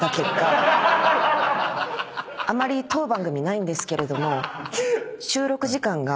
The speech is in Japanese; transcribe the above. あまり当番組ないんですけれども。